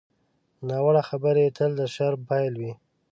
ناوړه خبرې تل د شر پیل وي